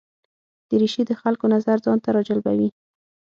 دریشي د خلکو نظر ځان ته راجلبوي.